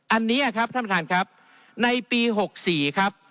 อันนี้ครับท่านประธานครับในปี๖๔ครับ